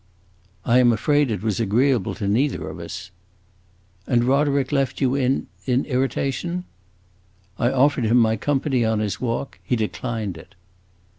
"I am afraid it was agreeable to neither of us." "And Roderick left you in in irritation?" "I offered him my company on his walk. He declined it."